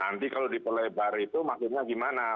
nanti kalau dipelebar itu makinnya gimana